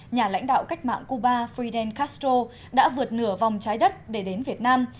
nhà lãnh đạo cách mạng cuba fidel castro đã vượt nửa vòng trái đất để đến việt nam